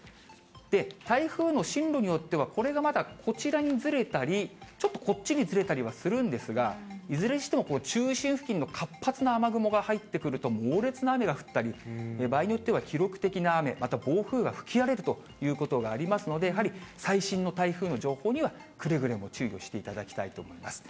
で、台風の進路によっては、これがまだこちらにずれたり、ちょっとこっちにずれたりはするんですが、いずれにしても中心付近の活発な雨雲が入ってくると、猛烈な雨が降ったり、場合によっては、記録的な雨、また暴風が吹き荒れるということがありますので、やはり最新の台風の情報にはくれぐれも注意をしていただきたいと思います。